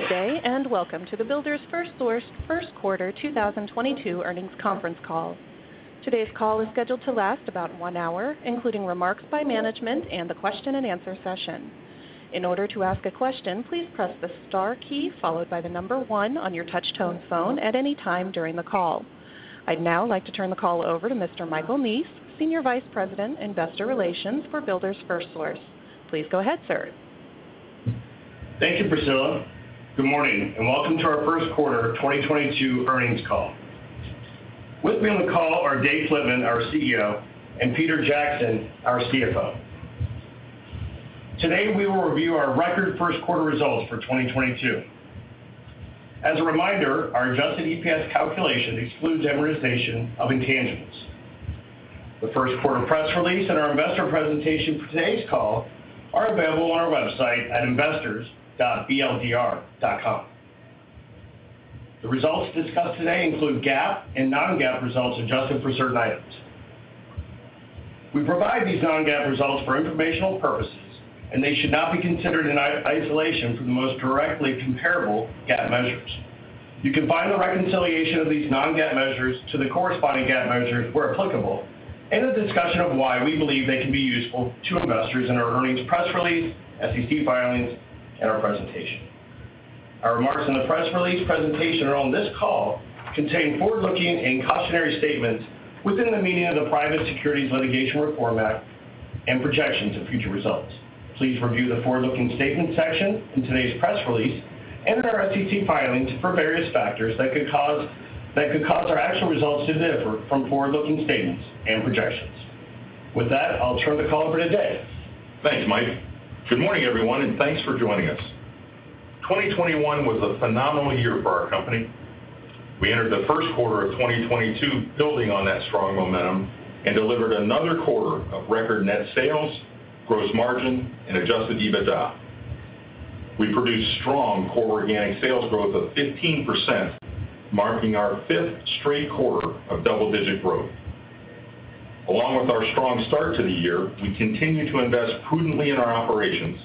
Good day, and welcome to the Builders FirstSource First Quarter 2022 Earnings Conference Call. Today's call is scheduled to last about one hour, including remarks by management and the question-and-answer session. In order to ask a question, please press the star key followed by the number one on your touch-tone phone at any time during the call. I'd now like to turn the call over to Mr. Michael Neese, Senior Vice President, Investor Relations for Builders FirstSource. Please go ahead, sir. Thank you, Priscilla. Good morning, and welcome to our first quarter 2022 earnings call. With me on the call are Dave Flitman, our CEO, and Peter Jackson, our CFO. Today, we will review our record first quarter results for 2022. As a reminder, our adjusted EPS calculation excludes amortization of intangibles. The first quarter press release and our investor presentation for today's call are available on our website at investors.bldr.com. The results discussed today include GAAP and non-GAAP results adjusted for certain items. We provide these non-GAAP results for informational purposes, and they should not be considered in isolation from the most directly comparable GAAP measures. You can find the reconciliation of these non-GAAP measures to the corresponding GAAP measures where applicable in a discussion of why we believe they can be useful to investors in our earnings press release, SEC filings, and our presentation. Our remarks in the press release presentation or on this call contain forward-looking and cautionary statements within the meaning of the Private Securities Litigation Reform Act and projections of future results. Please review the Forward-Looking Statements section in today's press release and in our SEC filings for various factors that could cause our actual results to differ from forward-looking statements and projections. With that, I'll turn the call over to Dave. Thanks, Mike. Good morning, everyone, and thanks for joining us. 2021 was a phenomenal year for our company. We entered the first quarter of 2022 building on that strong momentum and delivered another quarter of record net sales, gross margin, and adjusted EBITDA. We produced strong core organic sales growth of 15%, marking our fifth straight quarter of double-digit growth. Along with our strong start to the year, we continue to invest prudently in our operations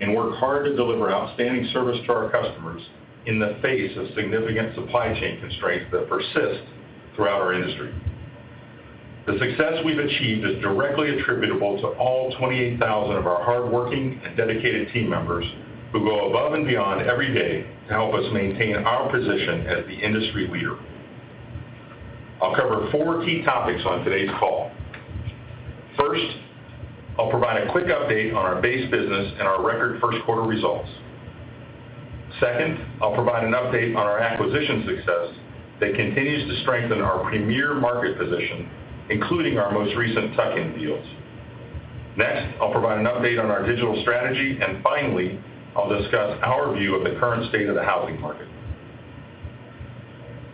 and work hard to deliver outstanding service to our customers in the face of significant supply chain constraints that persist throughout our industry. The success we've achieved is directly attributable to all 28,000 of our hardworking and dedicated team members who go above and beyond every day to help us maintain our position as the industry leader. I'll cover four key topics on today's call. First, I'll provide a quick update on our base business and our record first quarter results. Second, I'll provide an update on our acquisition success that continues to strengthen our premier market position, including our most recent tuck-in deals. Next, I'll provide an update on our digital strategy. Finally, I'll discuss our view of the current state of the housing market.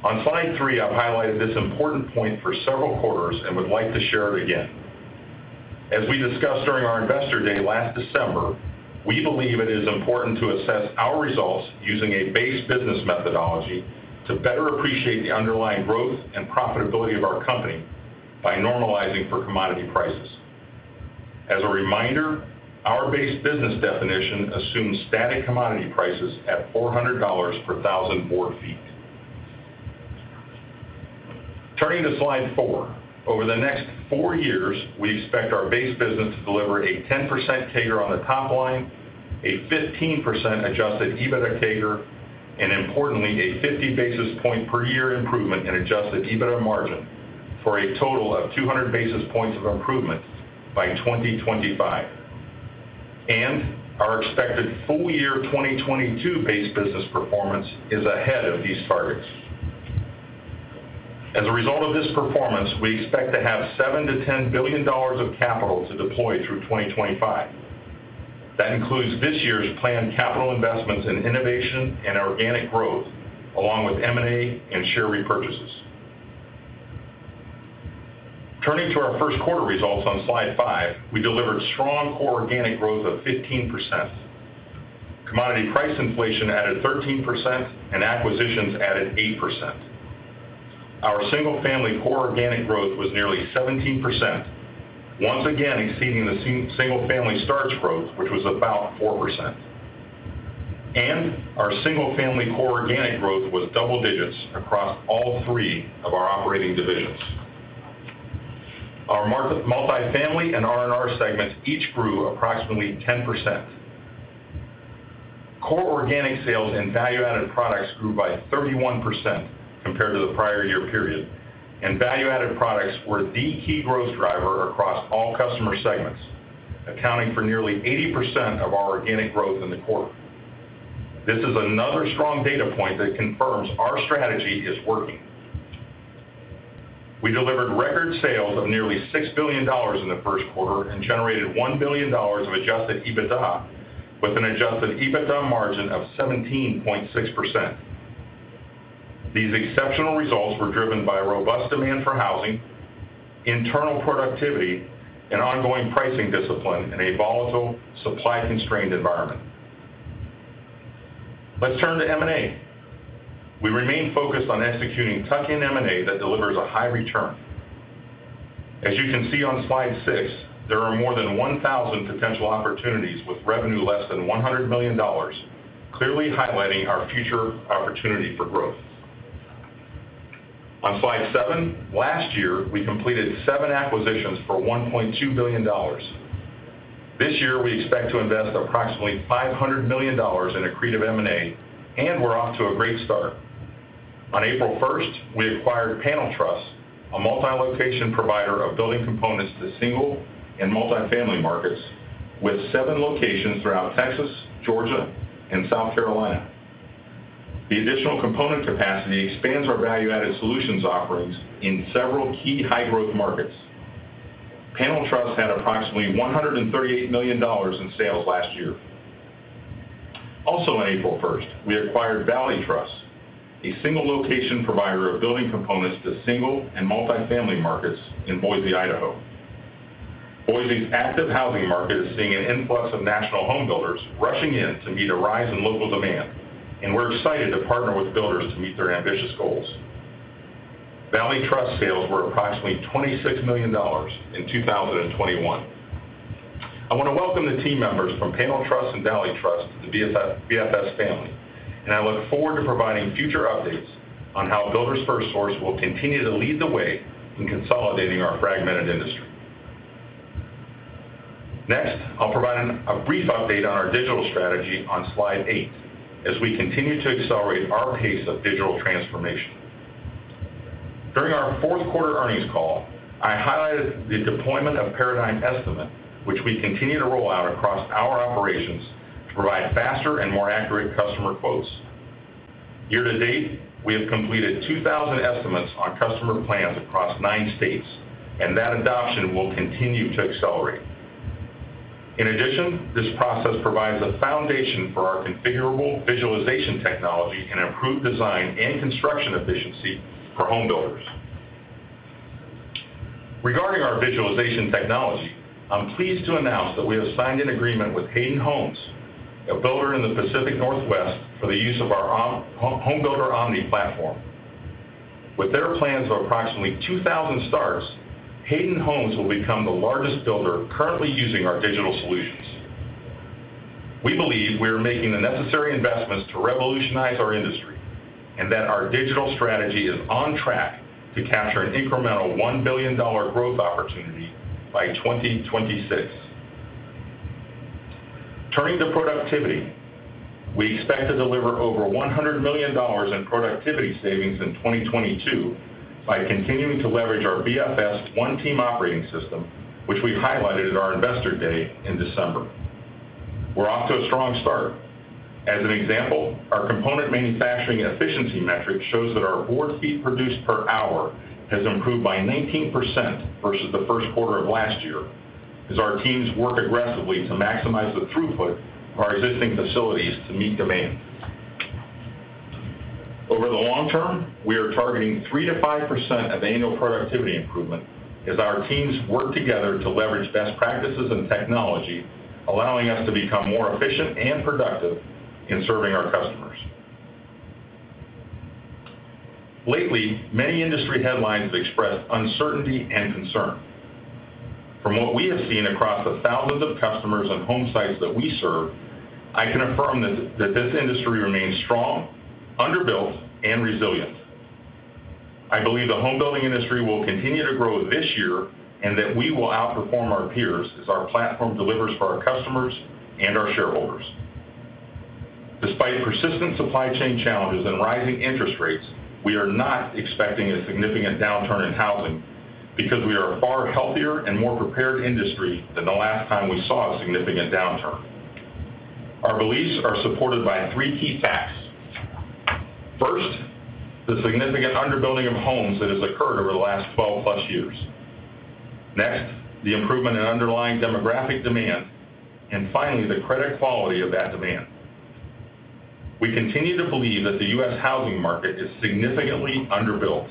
On slide three, I've highlighted this important point for several quarters and would like to share it again. As we discussed during our Investor Day last December, we believe it is important to assess our results using a base business methodology to better appreciate the underlying growth and profitability of our company by normalizing for commodity prices. As a reminder, our base business definition assumes static commodity prices at $400 per thousand board feet. Turning to slide four. Over the next four years, we expect our base business to deliver a 10% CAGR on the top line, a 15% adjusted EBITDA CAGR, and importantly, a 50 basis point per year improvement in adjusted EBITDA margin, for a total of 200 basis points of improvement by 2025. Our expected full year 2022 base business performance is ahead of these targets. As a result of this performance, we expect to have $7 billion-$10 billion of capital to deploy through 2025. That includes this year's planned capital investments in innovation and organic growth, along with M&A and share repurchases. Turning to our first quarter results on slide five, we delivered strong core organic growth of 15%. Commodity price inflation added 13%, and acquisitions added 8%. Our single-family core organic growth was nearly 17%, once again exceeding the single-family starts growth, which was about 4%. Our single-family core organic growth was double digits across all three of our operating divisions. Our multi-family and R&R segments each grew approximately 10%. Core organic sales and value-added products grew by 31% compared to the prior year period, and value-added products were the key growth driver across all customer segments, accounting for nearly 80% of our organic growth in the quarter. This is another strong data point that confirms our strategy is working. We delivered record sales of nearly $6 billion in the first quarter and generated $1 billion of adjusted EBITDA, with an adjusted EBITDA margin of 17.6%. These exceptional results were driven by robust demand for housing, internal productivity, and ongoing pricing discipline in a volatile supply-constrained environment. Let's turn to M&A. We remain focused on executing tuck-in M&A that delivers a high return. As you can see on slide six, there are more than 1,000 potential opportunities with revenue less than $100 million, clearly highlighting our future opportunity for growth. On slide seven, last year, we completed seven acquisitions for $1.2 billion. This year, we expect to invest approximately $500 million in accretive M&A, and we're off to a great start. On April 1st, we acquired Panel Truss, a multi-location provider of building components to single and multi-family markets with seven locations throughout Texas, Georgia, and South Carolina. The additional component capacity expands our value-added solutions offerings in several key high-growth markets. Panel Truss had approximately $138 million in sales last year. Also on April 1st, we acquired Valley Truss, a single-location provider of building components to single and multi-family markets in Boise, Idaho. Boise's active housing market is seeing an influx of national homebuilders rushing in to meet a rise in local demand, and we're excited to partner with builders to meet their ambitious goals. Valley Truss sales were approximately $26 million in 2021. I wanna welcome the team members from Panel Truss and Valley Truss to the BFS family, and I look forward to providing future updates on how Builders FirstSource will continue to lead the way in consolidating our fragmented industry. Next, I'll provide a brief update on our digital strategy on slide eight as we continue to accelerate our pace of digital transformation. During our fourth quarter earnings call, I highlighted the deployment of Paradigm Estimate, which we continue to roll out across our operations to provide faster and more accurate customer quotes. Year to date, we have completed 2,000 estimates on customer plans across nine states, and that adoption will continue to accelerate. In addition, this process provides a foundation for our configurable visualization technology and improved design and construction efficiency for homebuilders. Regarding our visualization technology, I'm pleased to announce that we have signed an agreement with Hayden Homes, a builder in the Pacific Northwest, for the use of our Homebuilder Omni platform. With their plans of approximately 2,000 starts, Hayden Homes will become the largest builder currently using our digital solutions. We believe we are making the necessary investments to revolutionize our industry, and that our digital strategy is on track to capture an incremental $1 billion growth opportunity by 2026. Turning to productivity. We expect to deliver over $100 million in productivity savings in 2022 by continuing to leverage our BFS One Team operating system, which we highlighted at our Investor Day in December. We're off to a strong start. As an example, our component manufacturing efficiency metric shows that our board feet produced per hour has improved by 19% versus the first quarter of last year as our teams work aggressively to maximize the throughput of our existing facilities to meet demand. Over the long term, we are targeting 3%-5% annual productivity improvement as our teams work together to leverage best practices and technology, allowing us to become more efficient and productive in serving our customers. Lately, many industry headlines express uncertainty and concern. From what we have seen across the thousands of customers and home sites that we serve, I can affirm that this industry remains strong, underbuilt, and resilient. I believe the home building industry will continue to grow this year, and that we will outperform our peers as our platform delivers for our customers and our shareholders. Despite persistent supply chain challenges and rising interest rates, we are not expecting a significant downturn in housing because we are a far healthier and more prepared industry than the last time we saw a significant downturn. Our beliefs are supported by three key facts. First, the significant underbuilding of homes that has occurred over the last 12+ years. Next, the improvement in underlying demographic demand, and finally, the credit quality of that demand. We continue to believe that the U.S. housing market is significantly underbuilt.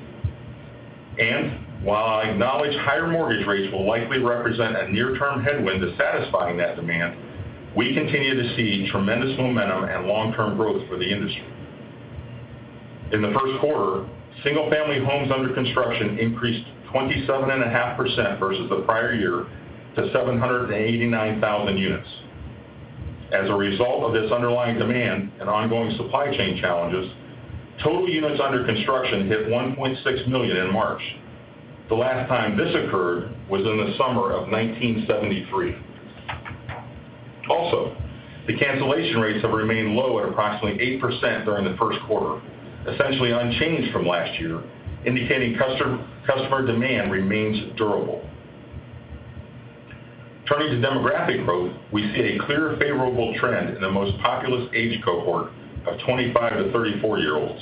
While I acknowledge higher mortgage rates will likely represent a near-term headwind to satisfying that demand, we continue to see tremendous momentum and long-term growth for the industry. In the first quarter, single-family homes under construction increased 27.5% versus the prior year to 789,000 units. As a result of this underlying demand and ongoing supply chain challenges, total units under construction hit 1.6 million in March. The last time this occurred was in the summer of 1973. Also, the cancellation rates have remained low at approximately 8% during the first quarter, essentially unchanged from last year, indicating customer demand remains durable. Turning to demographic growth, we see a clear favorable trend in the most populous age cohort of 25-34 year-olds.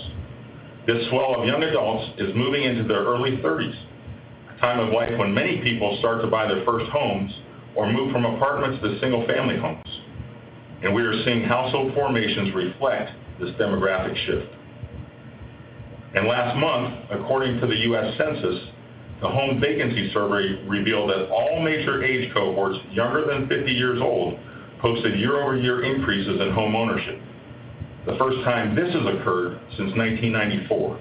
This swell of young adults is moving into their early 30s, a time of life when many people start to buy their first homes or move from apartments to single-family homes, and we are seeing household formations reflect this demographic shift. Last month, according to the U.S. Census, the home vacancy survey revealed that all major age cohorts younger than 50 years old posted year-over-year increases in homeownership. The first time this has occurred since 1994.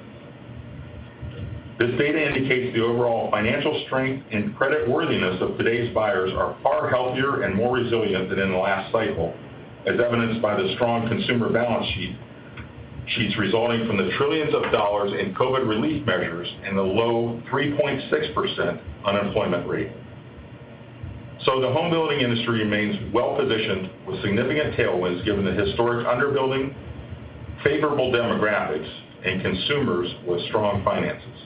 This data indicates the overall financial strength and creditworthiness of today's buyers are far healthier and more resilient than in the last cycle, as evidenced by the strong consumer balance sheets resulting from the trillions of dollars in COVID relief measures and the low 3.6% unemployment rate. The home building industry remains well-positioned with significant tailwinds given the historic underbuilding, favorable demographics, and consumers with strong finances.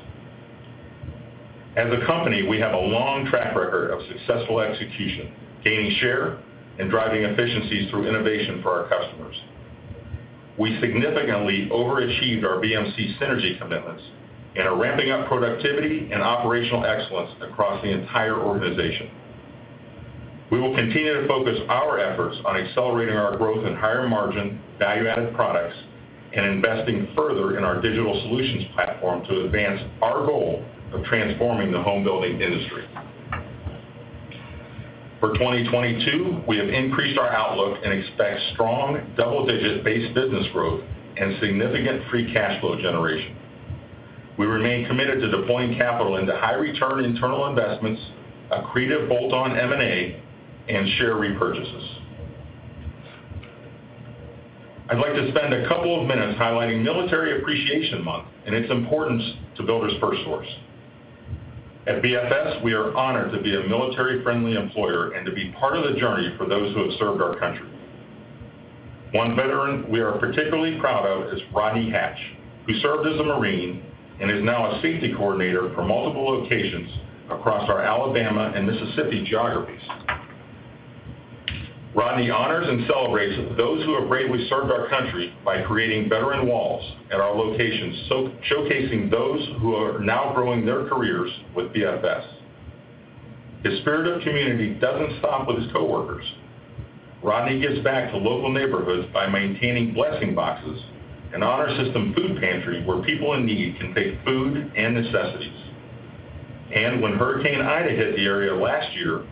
As a company, we have a long track record of successful execution, gaining share, and driving efficiencies through innovation for our customers. We significantly overachieved our BMC synergy commitments and are ramping up productivity and operational excellence across the entire organization. We will continue to focus our efforts on accelerating our growth in higher-margin, value-added products and investing further in our digital solutions platform to advance our goal of transforming the home building industry. For 2022, we have increased our outlook and expect strong double-digit base business growth and significant free cash flow generation. We remain committed to deploying capital into high-return internal investments, accretive bolt-on M&A, and share repurchases. I'd like to spend a couple of minutes highlighting Military Appreciation Month and its importance to Builders FirstSource. At BFS, we are honored to be a military-friendly employer and to be part of the journey for those who have served our country. One veteran we are particularly proud of is Rodney Hatch, who served as a Marine and is now a safety coordinator for multiple locations across our Alabama and Mississippi geographies. Rodney honors and celebrates those who have bravely served our country by creating veteran walls at our locations, showcasing those who are now growing their careers with BFS. His spirit of community doesn't stop with his coworkers. Rodney gives back to local neighborhoods by maintaining blessing boxes, an honor system food pantry where people in need can take food and necessities. When Hurricane Ida hit the area last year,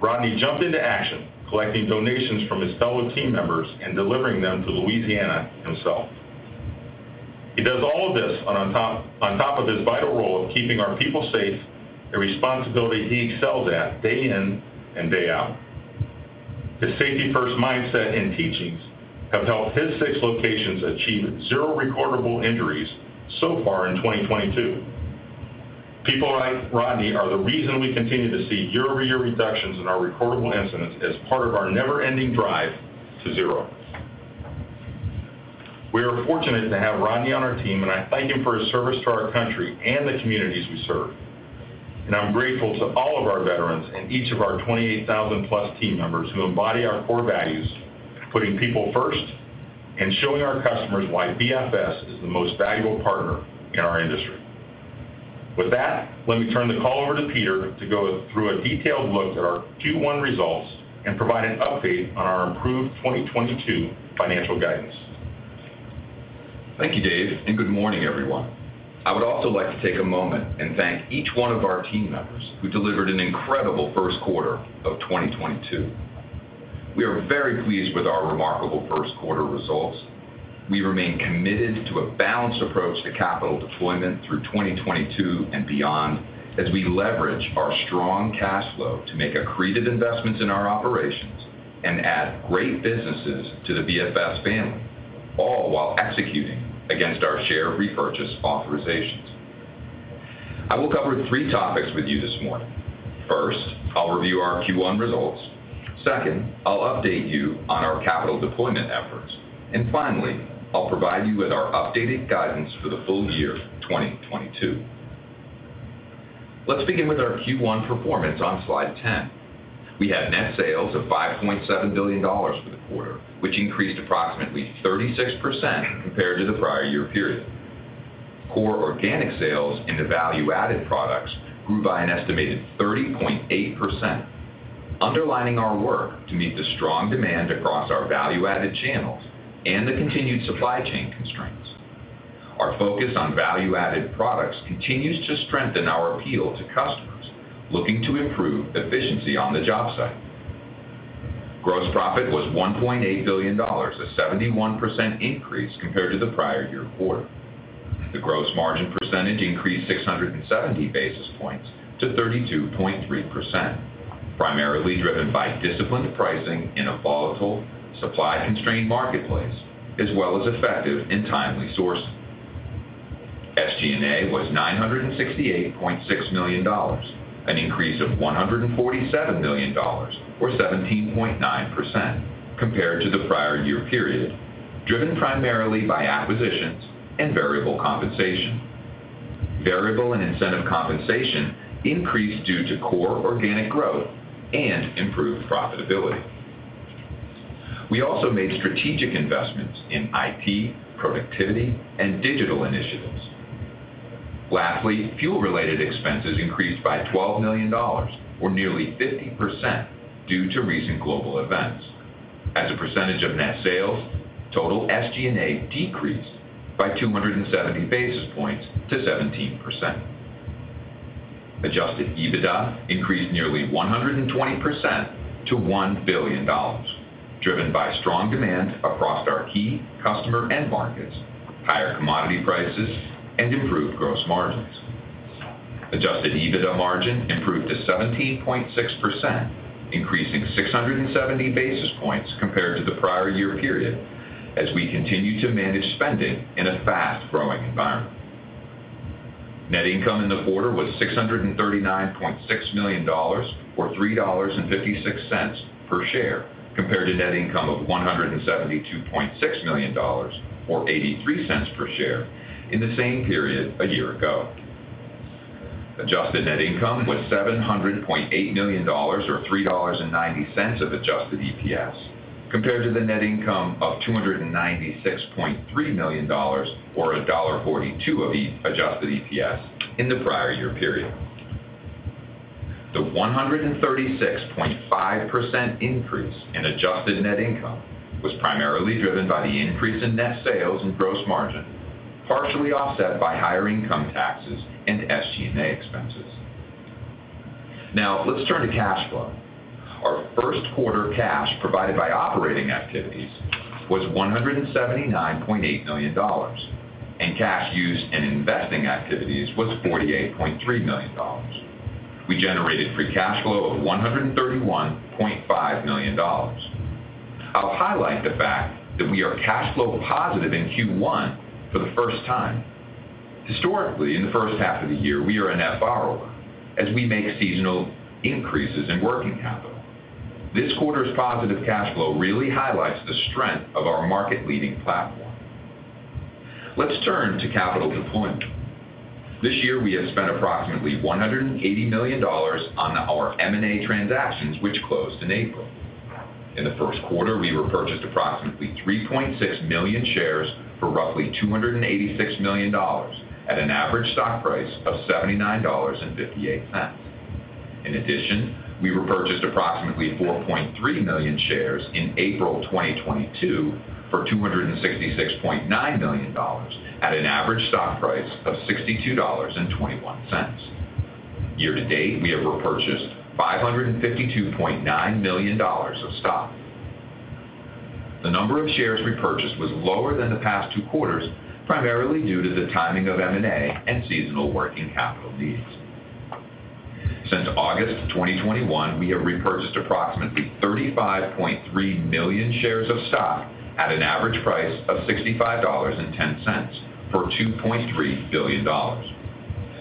Rodney jumped into action, collecting donations from his fellow team members and delivering them to Louisiana himself. He does all of this on top of his vital role of keeping our people safe, a responsibility he excels at day in and day out. His safety-first mindset and teachings have helped his six locations achieve zero recordable injuries so far in 2022. People like Rodney are the reason we continue to see year-over-year reductions in our recordable incidents as part of our never-ending drive to zero. We are fortunate to have Rodney on our team, and I thank him for his service to our country and the communities we serve. I'm grateful to all of our veterans and each of our 28,000+ team members who embody our core values of putting people first and showing our customers why BFS is the most valuable partner in our industry. With that, let me turn the call over to Peter to go through a detailed look at our Q1 results and provide an update on our improved 2022 financial guidance. Thank you, Dave, and good morning, everyone. I would also like to take a moment and thank each one of our team members who delivered an incredible first quarter of 2022. We are very pleased with our remarkable first quarter results. We remain committed to a balanced approach to capital deployment through 2022 and beyond as we leverage our strong cash flow to make accretive investments in our operations and add great businesses to the BFS family, all while executing against our share repurchase authorizations. I will cover three topics with you this morning. First, I'll review our Q1 results. Second, I'll update you on our capital deployment efforts. Finally, I'll provide you with our updated guidance for the full year of 2022. Let's begin with our Q1 performance on slide 10. We had net sales of $5.7 billion for the quarter, which increased approximately 36% compared to the prior year period. Core organic sales into value-added products grew by an estimated 30.8%, underlining our work to meet the strong demand across our value-added channels and the continued supply chain constraints. Our focus on value-added products continues to strengthen our appeal to customers looking to improve efficiency on the job site. Gross profit was $1.8 billion, a 71% increase compared to the prior year quarter. The gross margin percentage increased 670 basis points to 32.3%, primarily driven by disciplined pricing in a volatile, supply-constrained marketplace, as well as effective and timely sourcing. SG&A was $968.6 million, an increase of $147 million or 17.9% compared to the prior year period, driven primarily by acquisitions and variable compensation. Variable and incentive compensation increased due to core organic growth and improved profitability. We also made strategic investments in IT, productivity, and digital initiatives. Lastly, fuel-related expenses increased by $12 million or nearly 50% due to recent global events. As a percentage of net sales, total SG&A decreased by 270 basis points to 17%. Adjusted EBITDA increased nearly 120% to $1 billion, driven by strong demand across our key customer end markets, higher commodity prices, and improved gross margins. Adjusted EBITDA margin improved to 17.6%, increasing 670 basis points compared to the prior year period as we continue to manage spending in a fast-growing environment. Net income in the quarter was $639.6 million, or $3.56 per share, compared to net income of $172.6 million, or $0.83 per share in the same period a year ago. Adjusted net income was $700.8 million, or $3.90 of adjusted EPS, compared to the net income of $296.3 million or $1.42 of adjusted EPS in the prior year period. The 136.5% increase in adjusted net income was primarily driven by the increase in net sales and gross margin, partially offset by higher income taxes and SG&A expenses. Now let's turn to cash flow. Our first quarter cash provided by operating activities was $179.8 million, and cash used in investing activities was $48.3 million. We generated free cash flow of $131.5 million. I'll highlight the fact that we are cash flow positive in Q1 for the first time. Historically, in the first half of the year, we are a net borrower as we make seasonal increases in working capital. This quarter's positive cash flow really highlights the strength of our market-leading platform. Let's turn to capital deployment. This year we have spent approximately $180 million on our M&A transactions, which closed in April. In the first quarter, we repurchased approximately 3.6 million shares for roughly $286 million at an average stock price of $79.58. In addition, we repurchased approximately 4.3 million shares in April 2022 for $266.9 million at an average stock price of $62.21. Year to date, we have repurchased $552.9 million of stock. The number of shares repurchased was lower than the past two quarters, primarily due to the timing of M&A and seasonal working capital needs. Since August 2021, we have repurchased approximately 35.3 million shares of stock at an average price of $65.10 for $2.3 billion.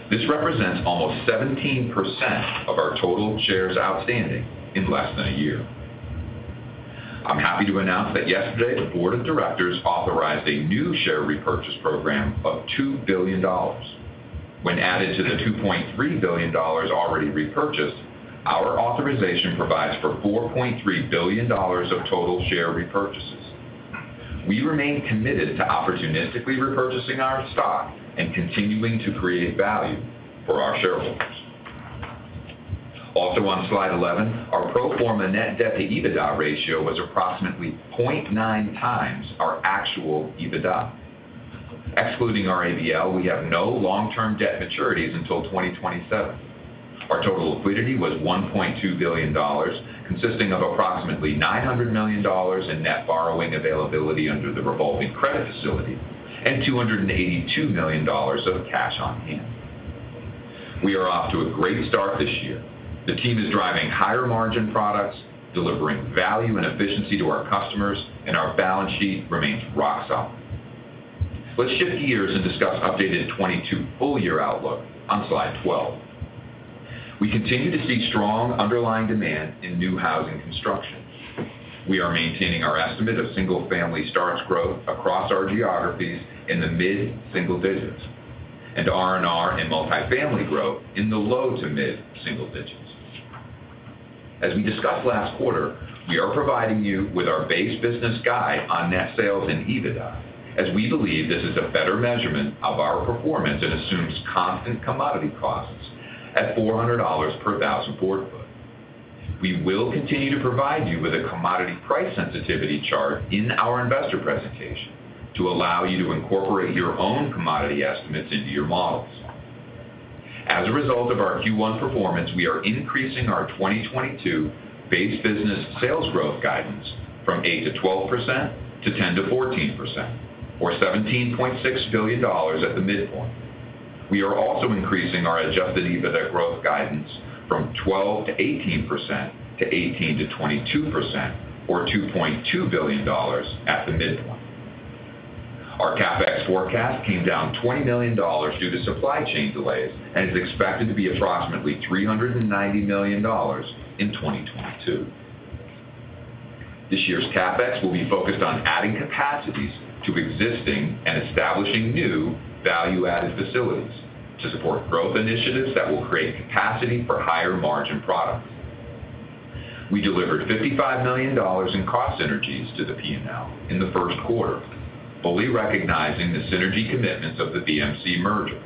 This represents almost 17% of our total shares outstanding in less than a year. I'm happy to announce that yesterday the Board of Directors authorized a new share repurchase program of $2 billion. When added to the $2.3 billion already repurchased, our authorization provides for $4.3 billion of total share repurchases. We remain committed to opportunistically repurchasing our stock and continuing to create value for our shareholders. Also on slide 11, our pro forma net debt to EBITDA ratio was approximately 0.9x our actual EBITDA. Excluding our ABL, we have no long-term debt maturities until 2027. Our total liquidity was $1.2 billion, consisting of approximately $900 million in net borrowing availability under the revolving credit facility and $282 million of cash on hand. We are off to a great start this year. The team is driving higher margin products, delivering value and efficiency to our customers, and our balance sheet remains rock solid. Let's shift gears and discuss updated 2022 full year outlook on slide 12. We continue to see strong underlying demand in new housing construction. We are maintaining our estimate of single-family starts growth across our geographies in the mid-single digits and R&R and multi-family growth in the low to mid-single digits. As we discussed last quarter, we are providing you with our base business guide on net sales and EBITDA as we believe this is a better measurement of our performance and assumes constant commodity costs at $400 per thousand board foot. We will continue to provide you with a commodity price sensitivity chart in our investor presentation to allow you to incorporate your own commodity estimates into your models. As a result of our Q1 performance, we are increasing our 2022 base business sales growth guidance from 8%-12% to 10%-14%, or $17.6 billion at the midpoint. We are also increasing our adjusted EBITDA growth guidance from 12%-18% to 18%-22%, or $2.2 billion at the midpoint. Our CapEx forecast came down $20 million due to supply chain delays and is expected to be approximately $390 million in 2022. This year's CapEx will be focused on adding capacities to existing and establishing new value-added facilities to support growth initiatives that will create capacity for higher margin products. We delivered $55 million in cost synergies to the P&L in the first quarter, fully recognizing the synergy commitments of the BMC merger.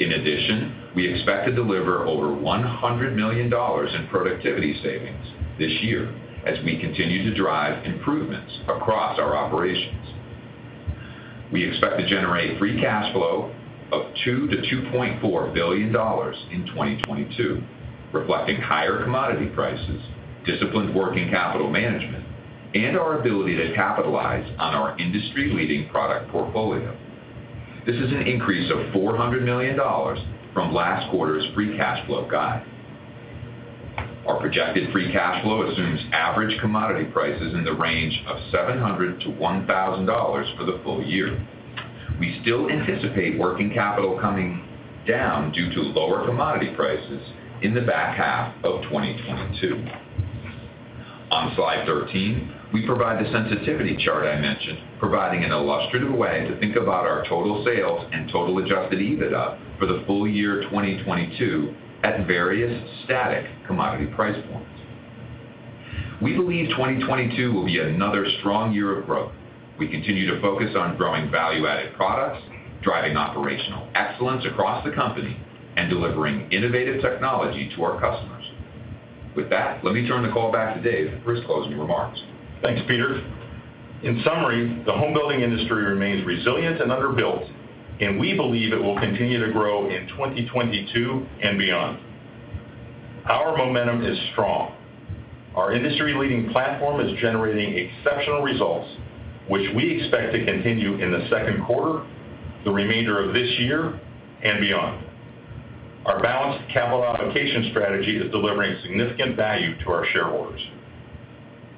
In addition, we expect to deliver over $100 million in productivity savings this year as we continue to drive improvements across our operations. We expect to generate free cash flow of $2 billion-$2.4 billion in 2022, reflecting higher commodity prices, disciplined working capital management, and our ability to capitalize on our industry-leading product portfolio. This is an increase of $400 million from last quarter's free cash flow guide. Our projected free cash flow assumes average commodity prices in the range of $700-$1,000 for the full year. We still anticipate working capital coming down due to lower commodity prices in the back half of 2022. On slide 13, we provide the sensitivity chart I mentioned, providing an illustrative way to think about our total sales and total adjusted EBITDA for the full year 2022 at various static commodity price points. We believe 2022 will be another strong year of growth. We continue to focus on growing value-added products, driving operational excellence across the company, and delivering innovative technology to our customers. With that, let me turn the call back to Dave for his closing remarks. Thanks, Peter. In summary, the home building industry remains resilient and underbuilt, and we believe it will continue to grow in 2022 and beyond. Our momentum is strong. Our industry-leading platform is generating exceptional results, which we expect to continue in the second quarter, the remainder of this year and beyond. Our balanced capital allocation strategy is delivering significant value to our shareholders.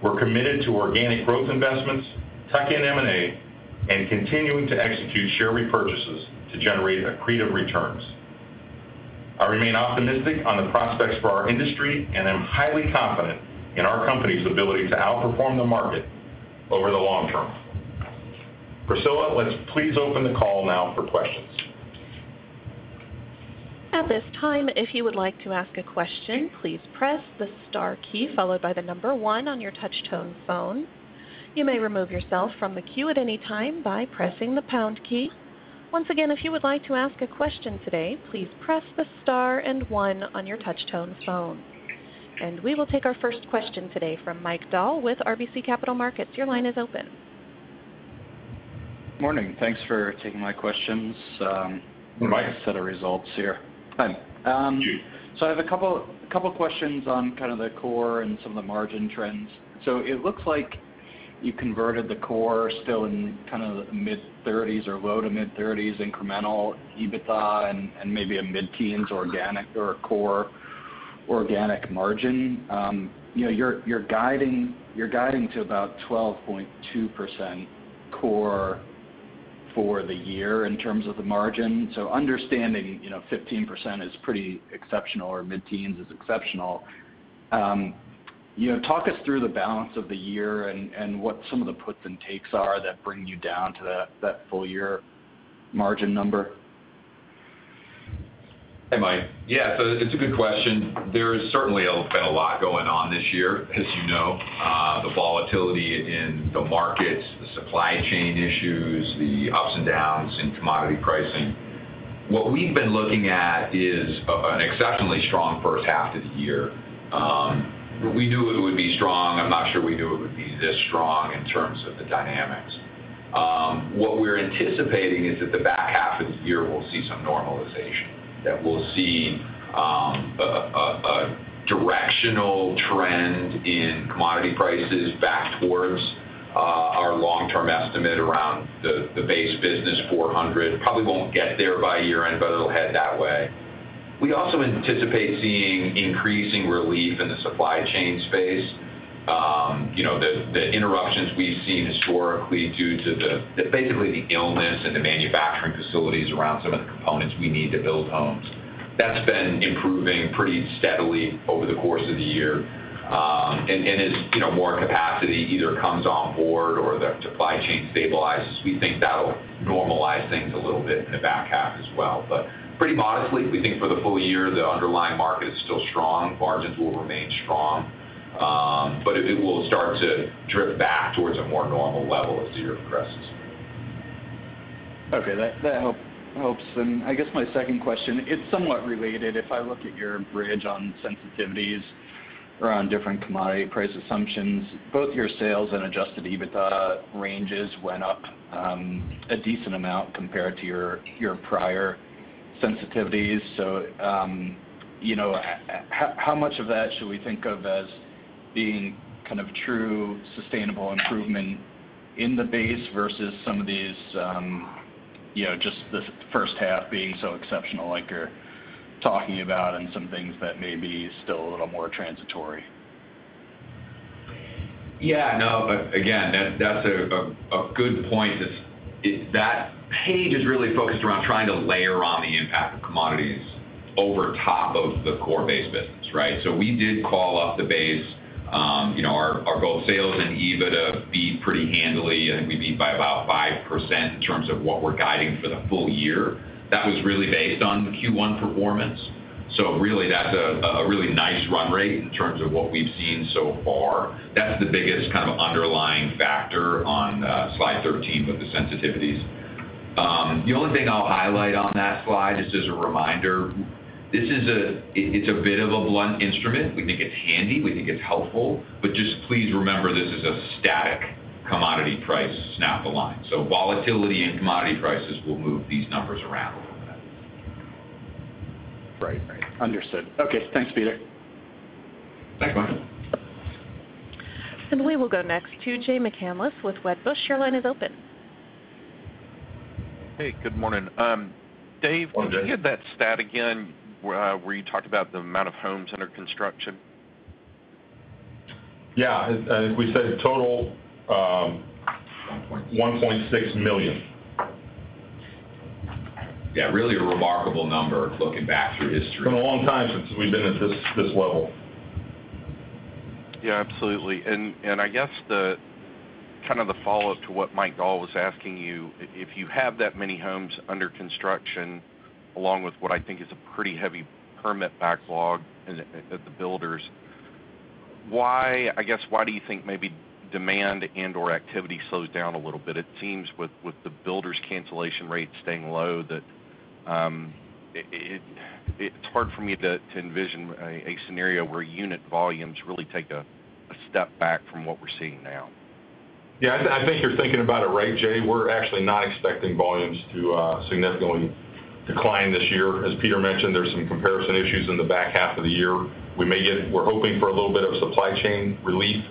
We're committed to organic growth investments, tuck-in M&A, and continuing to execute share repurchases to generate accretive returns. I remain optimistic on the prospects for our industry and am highly confident in our company's ability to outperform the market over the long term. Priscilla, let's please open the call now for questions. At this time, if you would like to ask a question, please press the star key followed by the number one on your touch-tone phone. You may remove yourself from the queue at any time by pressing the pound key. Once again, if you would like to ask a question today, please press the star and one on your touch-tone phone. We will take our first question today from Mike Dahl with RBC Capital Markets. Your line is open. Morning. Thanks for taking my questions. Mike. The set of results here. Hi. Um. Sure. I have a couple questions on kind of the core and some of the margin trends. It looks like you converted the core still in kind of mid-30s or low- to mid-30s incremental EBITDA and maybe a mid-teens organic or a core organic margin. You know, you're guiding to about 12.2% core for the year in terms of the margin. Understanding, you know, 15% is pretty exceptional or mid-teens is exceptional. You know, talk us through the balance of the year and what some of the puts and takes are that bring you down to that full year margin number. Hey, Mike. Yeah, so it's a good question. There's certainly been a lot going on this year, as you know. The volatility in the markets, the supply chain issues, the ups and downs in commodity pricing. What we've been looking at is an exceptionally strong first half of the year. We knew it would be strong. I'm not sure we knew it would be this strong in terms of the dynamics. What we're anticipating is that the back half of the year will see some normalization, that we'll see a directional trend in commodity prices back towards our long-term estimate around the base business $400. Probably won't get there by year-end, but it'll head that way. We also anticipate seeing increasing relief in the supply chain space. You know, the interruptions we've seen historically due to basically the illness in the manufacturing facilities around some of the components we need to build homes. That's been improving pretty steadily over the course of the year. As you know, more capacity either comes on board or the supply chain stabilizes, we think that'll normalize things a little bit in the back half as well. Pretty modestly, we think for the full year, the underlying market is still strong. Margins will remain strong. It will start to drift back towards a more normal level as the year progresses. That helps. I guess my second question, it's somewhat related. If I look at your bridge on sensitivities around different commodity price assumptions, both your sales and adjusted EBITDA ranges went up, a decent amount compared to your prior sensitivities. You know, how much of that should we think of as being kind of true sustainable improvement in the base versus some of these, you know, just the first half being so exceptional like you're talking about and some things that may be still a little more transitory? Yeah, no, again, that's a good point. That page is really focused around trying to layer on the impact of commodities over top of the core base business, right? We did call up the base. You know, our both sales and EBITDA beat pretty handily. I think we beat by about 5% in terms of what we're guiding for the full year. That was really based on Q1 performance. Really, that's a really nice run rate in terms of what we've seen so far. That's the biggest kind of underlying factor on slide 13 with the sensitivities. The only thing I'll highlight on that slide, just as a reminder, this is a bit of a blunt instrument. We think it's handy, we think it's helpful, but just please remember this is a static commodity price snap line. Volatility and commodity prices will move these numbers around a little bit. Right. Understood. Okay, thanks, Peter. Thanks, Mike. We will go next to Jay McCanless with Wedbush. Your line is open. Hey, good morning, Dave. Good morning, Jay. Can you give that stat again where you talked about the amount of homes under construction? Yeah. As we said, total. One point. $1.6 million. Yeah, really a remarkable number looking back through history. Been a long time since we've been at this level. Yeah, absolutely. I guess the kind of the follow-up to what Mike Dahl was asking you, if you have that many homes under construction, along with what I think is a pretty heavy permit backlog at the builders, why I guess, why do you think maybe demand and/or activity slows down a little bit? It seems with the builders cancellation rates staying low that it's hard for me to envision a scenario where unit volumes really take a step back from what we're seeing now. Yeah, I think you're thinking about it right, Jay. We're actually not expecting volumes to significantly decline this year. As Peter mentioned, there's some comparison issues in the back half of the year. We're hoping for a little bit of supply chain relief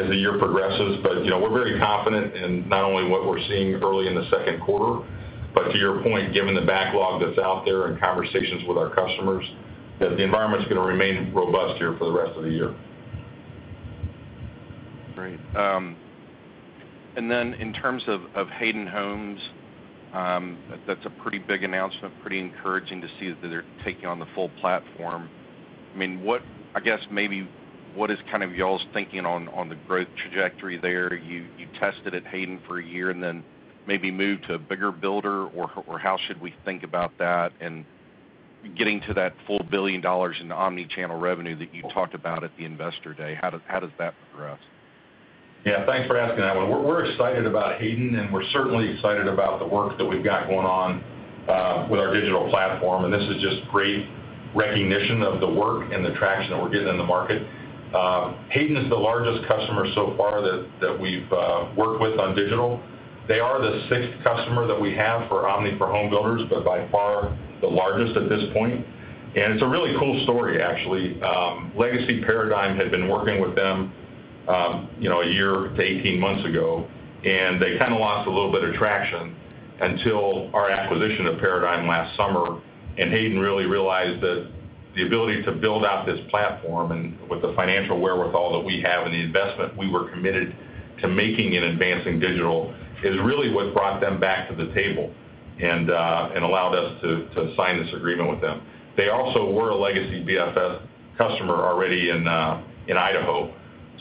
as the year progresses. But, you know, we're very confident in not only what we're seeing early in the second quarter, but to your point, given the backlog that's out there and conversations with our customers, that the environment's gonna remain robust here for the rest of the year. Great. In terms of Hayden Homes, that's a pretty big announcement, pretty encouraging to see that they're taking on the full platform. I mean, I guess maybe what is kind of y'all's thinking on the growth trajectory there? You tested at Hayden for a year and then maybe moved to a bigger builder or how should we think about that and getting to that $1 billion in Omni channel revenue that you talked about at the Investor Day? How does that progress? Yeah, thanks for asking that one. We're excited about Hayden, and we're certainly excited about the work that we've got going on with our digital platform, and this is just great recognition of the work and the traction that we're getting in the market. Hayden is the largest customer so far that we've worked with on digital. They are the sixth customer that we have for Omni for home builders, but by far the largest at this point. It's a really cool story, actually. Legacy Paradigm had been working with them, you know, a year to 18 months ago, and they kinda lost a little bit of traction until our acquisition of Paradigm last summer. Hayden really realized that the ability to build out this platform and with the financial wherewithal that we have and the investment we were committed to making in advancing digital is really what brought them back to the table and allowed us to sign this agreement with them. They also were a legacy BFS customer already in Idaho,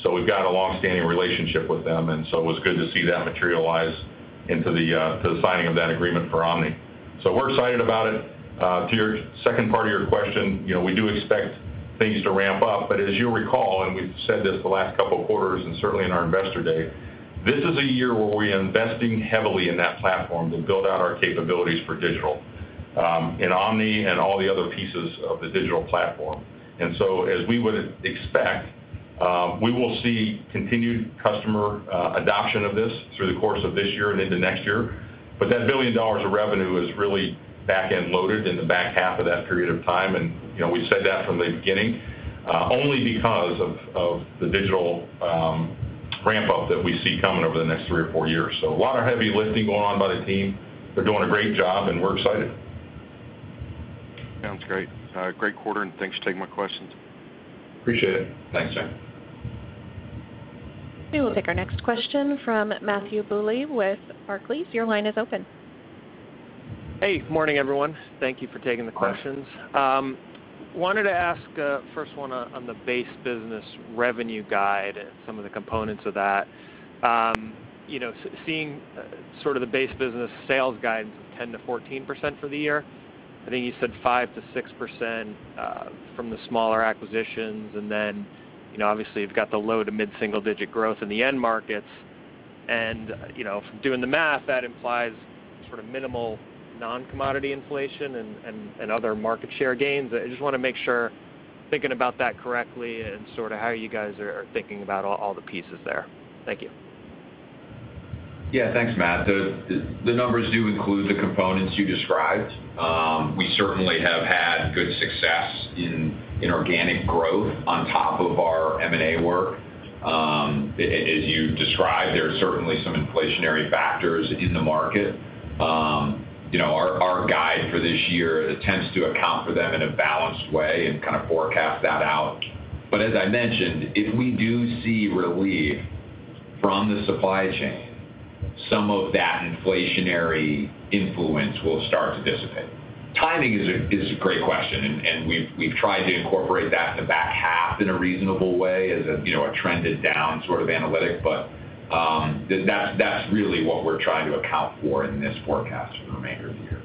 so we've got a long-standing relationship with them, and it was good to see that materialize to the signing of that agreement for Omni. We're excited about it. To your second part of your question, you know, we do expect things to ramp up, but as you'll recall, and we've said this the last couple of quarters and certainly in our Investor Day, this is a year where we're investing heavily in that platform to build out our capabilities for digital, and Omni and all the other pieces of the digital platform. As we would expect, we will see continued customer adoption of this through the course of this year and into next year. That $1 billion of revenue is really back-end loaded in the back half of that period of time. You know, we said that from the beginning, only because of the digital ramp up that we see coming over the next three or four years. A lot of heavy lifting going on by the team. They're doing a great job, and we're excited. Sounds great. Great quarter, and thanks for taking my questions. Appreciate it. Thanks, Jay. We will take our next question from Matthew Bouley with Barclays. Your line is open. Hey, morning, everyone. Thank you for taking the questions. Morning. Wanted to ask first one on the base business revenue guide and some of the components of that. You know, seeing sort of the base business sales guidance of 10%-14% for the year. I think you said 5%-6% from the smaller acquisitions. You know, obviously, you've got the low to mid-single digit growth in the end markets. You know, from doing the math, that implies sort of minimal non-commodity inflation and other market share gains. I just wanna make sure thinking about that correctly and sort of how you guys are thinking about all the pieces there? Thank you. Yeah. Thanks, Matt. The numbers do include the components you described. We certainly have had good success in organic growth on top of our M&A work. As you described, there are certainly some inflationary factors in the market. You know, our guide for this year attempts to account for them in a balanced way and kinda forecast that out. As I mentioned, if we do see relief from the supply chain, some of that inflationary influence will start to dissipate. Timing is a great question, and we've tried to incorporate that in the back half in a reasonable way as, you know, a trended down sort of analytic. That's really what we're trying to account for in this forecast the remainder of the year.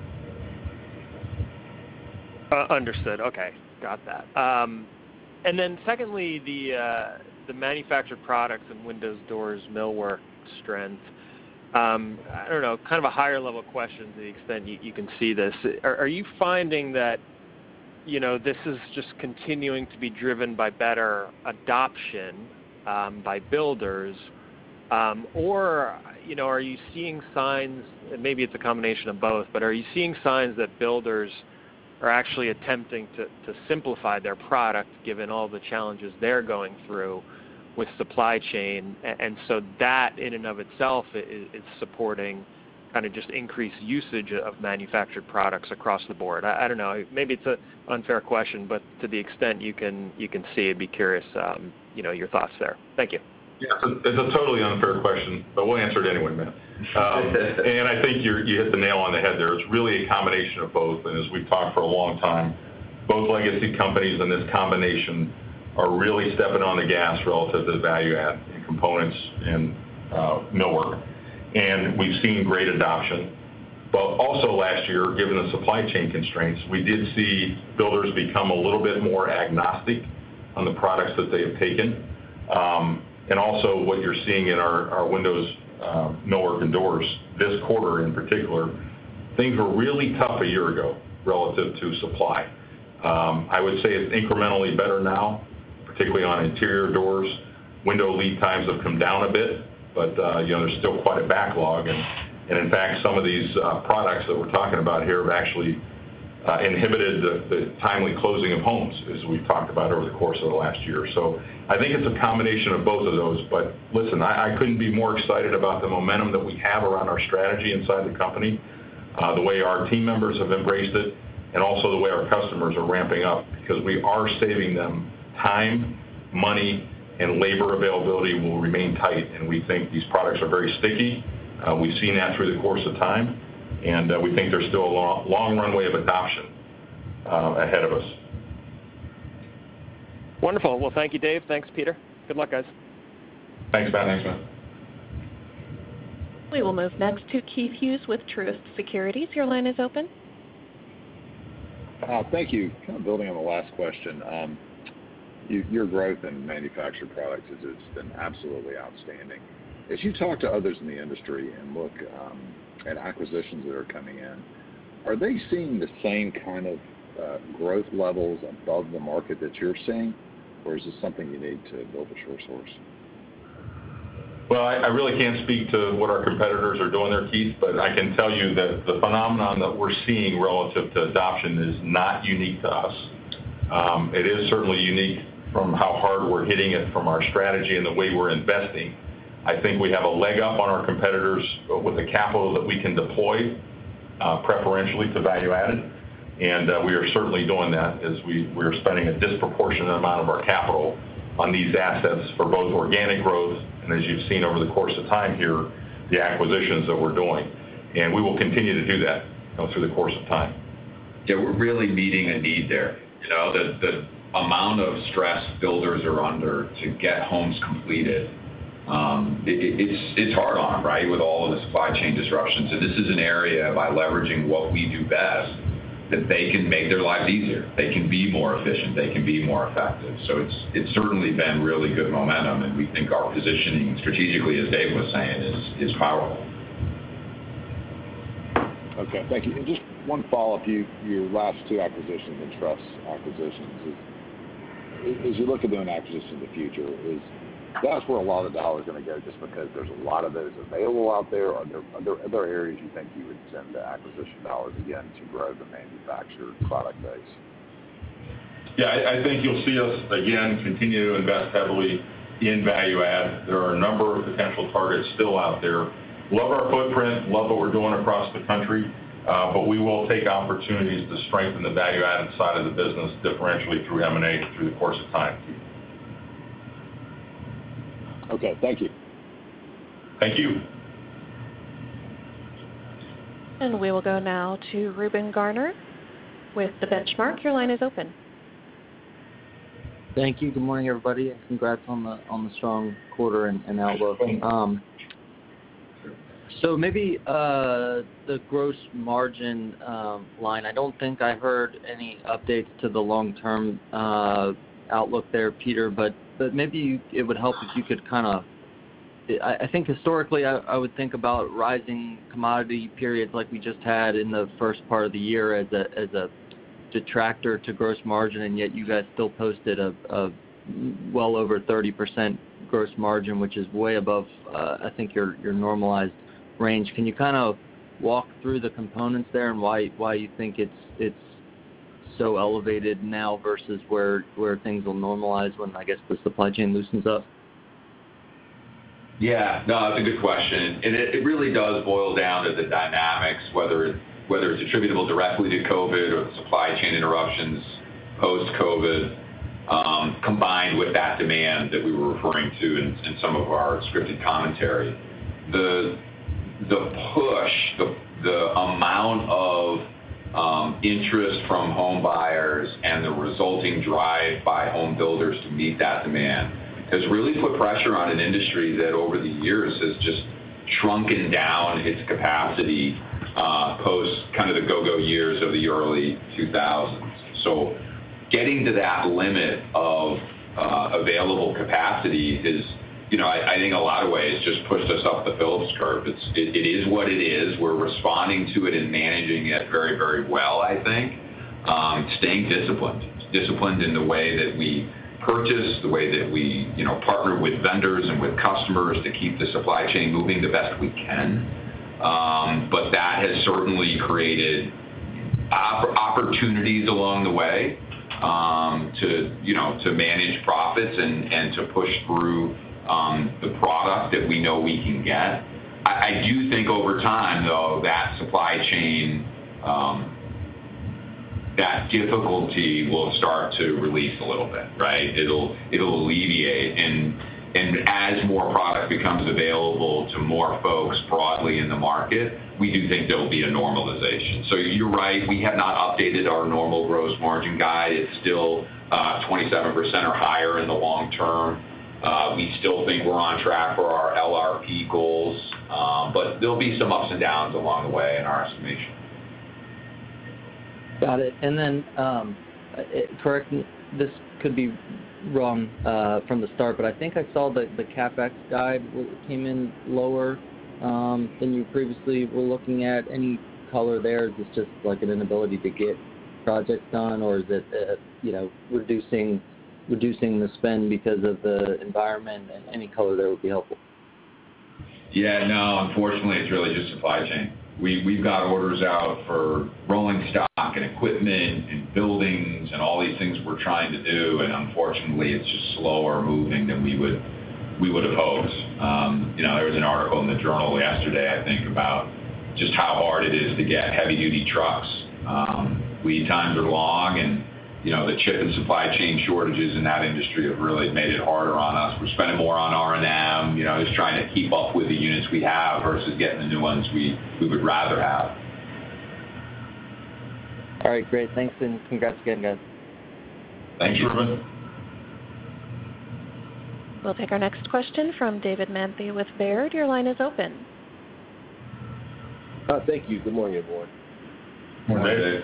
Understood. Okay. Got that. And then secondly, the manufactured products and windows, doors, millwork strength. I don't know, kind of a higher level question to the extent you can see this. Are you finding that, you know, this is just continuing to be driven by better adoption by builders? Or, you know, are you seeing signs, and maybe it's a combination of both, but are you seeing signs that builders are actually attempting to simplify their product given all the challenges they're going through with supply chain? And so that in and of itself is supporting kind of just increased usage of manufactured products across the board. I don't know, maybe it's an unfair question, but to the extent you can see, I'd be curious, you know, your thoughts there. Thank you. Yeah. It's a totally unfair question, but we'll answer it anyway, Matt. I think you hit the nail on the head there. It's really a combination of both. As we've talked for a long time, both legacy companies and this combination are really stepping on the gas relative to value add in components and millwork. We've seen great adoption. Last year, given the supply chain constraints, we did see builders become a little bit more agnostic on the products that they have taken. What you're seeing in our windows, millwork and doors this quarter in particular, things were really tough a year ago relative to supply. I would say it's incrementally better now, particularly on interior doors. Window lead times have come down a bit, but you know, there's still quite a backlog. In fact, some of these products that we're talking about here have actually inhibited the timely closing of homes as we've talked about over the course of the last year. I think it's a combination of both of those. Listen, I couldn't be more excited about the momentum that we have around our strategy inside the company, the way our team members have embraced it, and also the way our customers are ramping up because we are saving them time, money, and labor. Availability will remain tight, and we think these products are very sticky. We've seen that through the course of time, and we think there's still a long runway of adoption ahead of us. Wonderful. Well, thank you, Dave. Thanks, Peter. Good luck, guys. Thanks, Matt. Thanks, Matt. We will move next to Keith Hughes with Truist Securities. Your line is open. Thank you. Kind of building on the last question. Your growth in manufactured products has just been absolutely outstanding. As you talk to others in the industry and look at acquisitions that are coming in, are they seeing the same kind of growth levels above the market that you're seeing, or is this something unique to Builders FirstSource? Well, I really can't speak to what our competitors are doing there, Keith, but I can tell you that the phenomenon that we're seeing relative to adoption is not unique to us. It is certainly unique from how hard we're hitting it from our strategy and the way we're investing. I think we have a leg up on our competitors with the capital that we can deploy preferentially to value add, and we are certainly doing that as we are spending a disproportionate amount of our capital on these assets for both organic growth and as you've seen over the course of time here, the acquisitions that we're doing, and we will continue to do that, you know, through the course of time. Yeah, we're really meeting a need there. You know, the amount of stress builders are under to get homes completed, it's hard on, right, with all of the supply chain disruptions. This is an area by leveraging what we do best, that they can make their lives easier, they can be more efficient, they can be more effective. It's certainly been really good momentum, and we think our positioning strategically, as Dave was saying, is powerful. Okay. Thank you. Just one follow-up. Your last two acquisitions and truss acquisitions, as you look at doing acquisitions in the future, that's where a lot of dollars are gonna go just because there's a lot of those available out there. Are there other areas you think you would send the acquisition dollars again to grow the manufactured product base? Yeah. I think you'll see us again continue to invest heavily in value add. There are a number of potential targets still out there. Love our footprint, love what we're doing across the country, but we will take opportunities to strengthen the value-added side of the business differentially through M&A through the course of time, Keith. Okay. Thank you. Thank you. We will go now to Reuben Garner with The Benchmark. Your line is open. Thank you. Good morning, everybody, and congrats on the strong quarter and outlook. Thank you. Maybe the gross margin line. I don't think I heard any updates to the long-term outlook there, Peter, but maybe it would help if you could. I think historically, I would think about rising commodity periods like we just had in the first part of the year as a detractor to gross margin, and yet you guys still posted a well over 30% gross margin, which is way above, I think, your normalized range. Can you kind of walk through the components there and why you think it's so elevated now versus where things will normalize when, I guess, the supply chain loosens up? Yeah. No, that's a good question. It really does boil down to the dynamics, whether it's attributable directly to COVID or the supply chain interruptions post-COVID, combined with that demand that we were referring to in some of our scripted commentary. The push, the amount of interest from home buyers and the resulting drive by home builders to meet that demand has really put pressure on an industry that over the years has just shrunken down its capacity post kind of the go-go years of the early 2000s. Getting to that limit of available capacity is, you know, I think in a lot of ways just pushed us up the Phillips curve. It is what it is. We're responding to it and managing it very, very well, I think. Staying disciplined. Disciplined in the way that we purchase, the way that we, you know, partner with vendors and with customers to keep the supply chain moving the best we can. That has certainly created opportunities along the way to, you know, to manage profits and to push through the product that we know we can get. I do think over time, though, that supply chain that difficulty will start to release a little bit, right? It'll alleviate. As more product becomes available to more folks broadly in the market, we do think there will be a normalization. You're right, we have not updated our normal gross margin guide. It's still 27% or higher in the long term. We still think we're on track for our LRP goals. But there'll be some ups and downs along the way in our estimation. Got it. Correct me. This could be wrong from the start, but I think I saw the CapEx guidance came in lower than you previously were looking at. Any color there? Is this just like an inability to get projects done, or is it reducing the spend because of the environment? Any color there would be helpful. Yeah, no, unfortunately, it's really just supply chain. We've got orders out for rolling stock and equipment and buildings and all these things we're trying to do, and unfortunately, it's just slower moving than we would have hoped. You know, there was an article in the Journal yesterday, I think, about just how hard it is to get heavy duty trucks. Lead times are long and, you know, the chip and supply chain shortages in that industry have really made it harder on us. We're spending more on R&M, you know, just trying to keep up with the units we have versus getting the new ones we would rather have. All right. Great. Thanks and congrats again, guys. Thank you. We'll take our next question from David Manthey with Baird. Your line is open. Thank you. Good morning, everyone. Morning, Dave.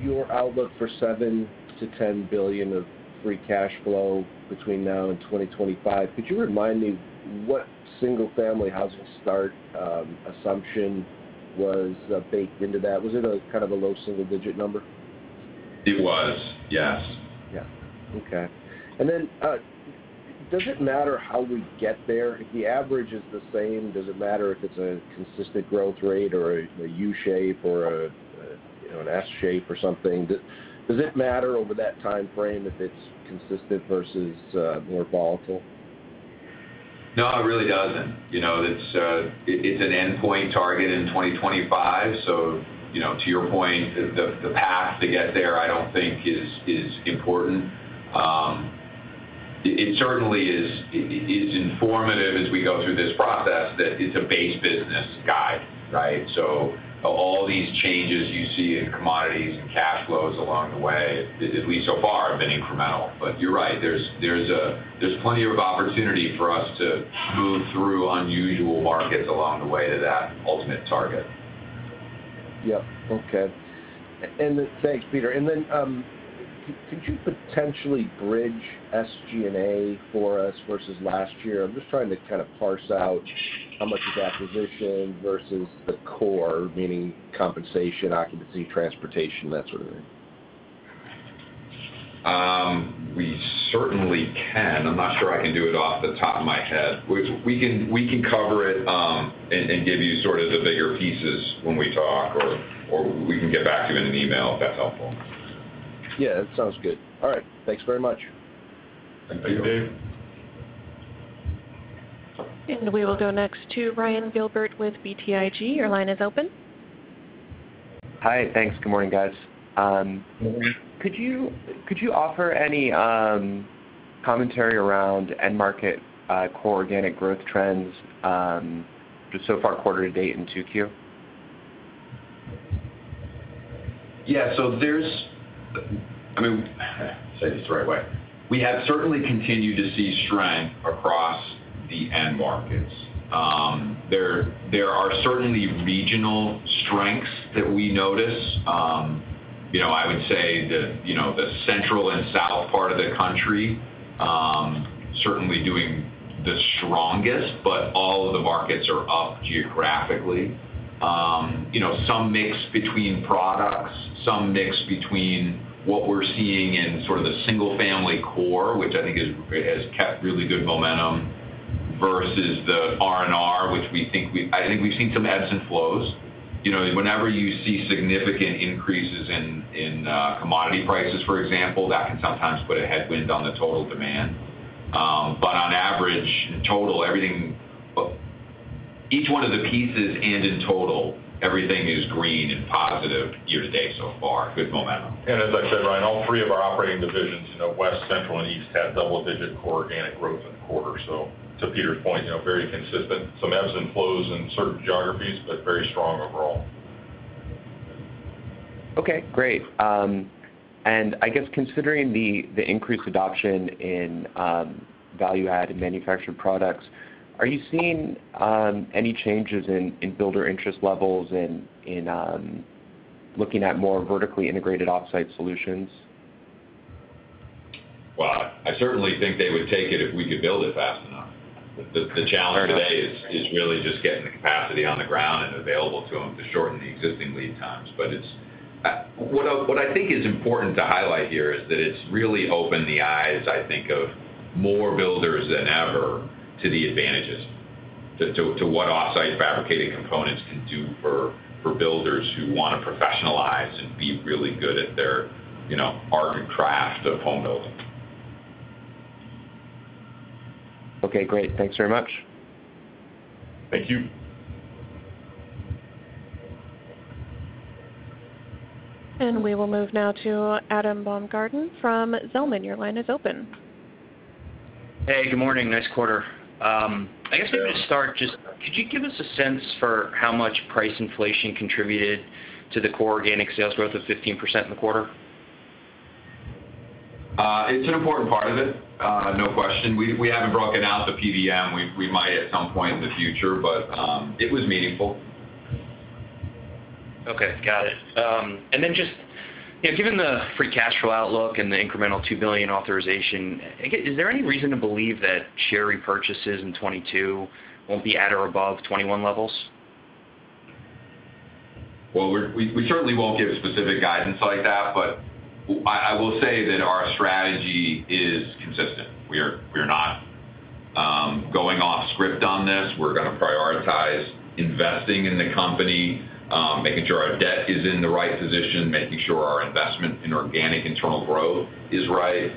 Your outlook for $7 billion-$10 billion of free cash flow between now and 2025, could you remind me what single-family housing start assumption was baked into that? Was it a kind of a low single-digit number? It was, yes. Yeah. Okay. Does it matter how we get there? If the average is the same, does it matter if it's a consistent growth rate or a U-shape or, you know, an S-shape or something? Does it matter over that time frame if it's consistent versus more volatile? No, it really doesn't. You know, it's an endpoint target in 2025. You know, to your point, the path to get there, I don't think is important. It certainly is informative as we go through this process that it's a base business guide, right? All these changes you see in commodities and cash flows along the way, at least so far, have been incremental. You're right. There's plenty of opportunity for us to move through unusual markets along the way to that ultimate target. Yep. Okay. Thanks, Peter. Could you potentially bridge SG&A for us versus last year? I'm just trying to kind of parse out how much is acquisition versus the core, meaning compensation, occupancy, transportation, that sort of thing. We certainly can. I'm not sure I can do it off the top of my head. We can cover it, and give you sort of the bigger pieces when we talk or we can get back to you in an email, if that's helpful. Yeah. That sounds good. All right. Thanks very much. Thank you. We will go next to Ryan Gilbert with BTIG. Your line is open. Hi. Thanks. Good morning, guys. Could you offer any commentary around end market core organic growth trends just so far quarter to date in 2Q? I mean, say this the right way. We have certainly continued to see strength across the end markets. There are certainly regional strengths that we notice. You know, I would say the Central and South part of the country certainly doing the strongest, but all of the markets are up geographically. You know, some mix between products, some mix between what we're seeing in sort of the single-family core, which I think has kept really good momentum versus the R&R, which I think we've seen some ebbs and flows. You know, whenever you see significant increases in commodity prices, for example, that can sometimes put a headwind on the total demand. On average, in total, everything, each one of the pieces and in total, everything is green and positive year to date so far. Good momentum. As I said, Ryan, all three of our operating divisions, you know, West, Central, and East, had double-digit core organic growth in the quarter. To Peter's point, you know, very consistent. Some ebbs and flows in certain geographies, but very strong overall. Okay, great. I guess considering the increased adoption in value add and manufactured products, are you seeing any changes in builder interest levels in looking at more vertically integrated off-site solutions? Well, I certainly think they would take it if we could build it fast enough. The challenge today is really just getting the capacity on the ground and available to them to shorten the existing lead times. What I think is important to highlight here is that it's really opened the eyes, I think, of more builders than ever to the advantages to what off-site fabricated components can do for builders who wanna professionalize and be really good at their, you know, art and craft of home building. Okay, great. Thanks very much. Thank you. We will move now to Adam Baumgarten from Zelman. Your line is open. Hey, good morning. Nice quarter. I guess I'm gonna start just, could you give us a sense for how much price inflation contributed to the core organic sales growth of 15% in the quarter? It's an important part of it, no question. We haven't broken out the PVM. We might at some point in the future, but it was meaningful. Okay. Got it. Just, you know, given the free cash flow outlook and the incremental $2 billion authorization, is there any reason to believe that share repurchases in 2022 won't be at or above 2021 levels? Well, we certainly won't give specific guidance like that, but I will say that our strategy is consistent. We're not going off script on this. We're gonna prioritize investing in the company, making sure our debt is in the right position, making sure our investment in organic internal growth is right.